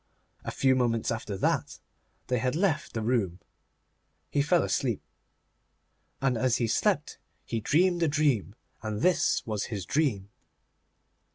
A few moments after that they had left the room, he fell asleep. And as he slept he dreamed a dream, and this was his dream.